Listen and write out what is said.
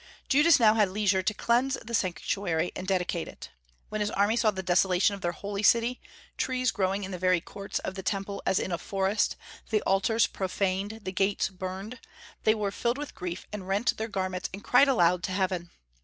Judas had now leisure to cleanse the Sanctuary and dedicate it. When his army saw the desolation of their holy city, trees growing in the very courts of the Temple as in a forest, the altars profaned, the gates burned, they were filled with grief, and rent their garments and cried aloud to Heaven.